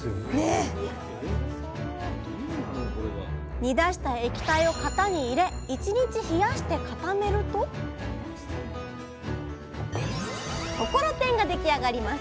煮出した液体を型に入れ１日冷やして固めるとところてんが出来上がります。